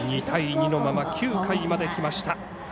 ２対２のまま９回まで来ました。